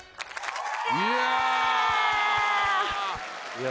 いや。